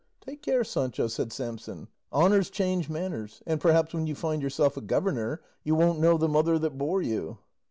"Take care, Sancho," said Samson; "honours change manners, and perhaps when you find yourself a governor you won't know the mother that bore you."